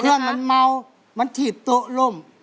เพราะมันเมามันถีดโต๊ะล่ม